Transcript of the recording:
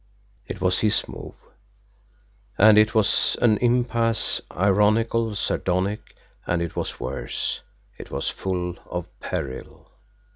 It was his move and it was an impasse, ironical, sardonic, and it was worse it was full of peril.